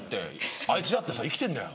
あいつだってさ生きてんだよ。